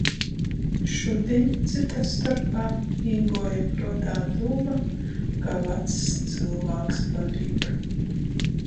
Šudiņ cyta storpā īguoja pruotā dūma, ka vacs cylvāks palīk.